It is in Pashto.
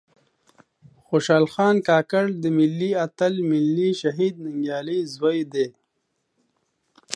خوشال خان کاکړ د ملي آتل ملي شهيد ننګيالي ﺯوې دې